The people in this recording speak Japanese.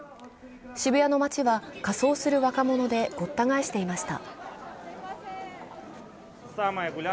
渋谷の街は仮装する若者でごった返していました。